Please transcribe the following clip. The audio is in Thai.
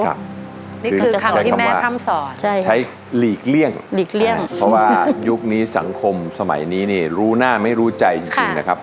นี่คือคำที่แม่พร่ำสอนใช้หลีกเลี่ยงหลีกเลี่ยงเพราะว่ายุคนี้สังคมสมัยนี้นี่รู้หน้าไม่รู้ใจจริงนะครับ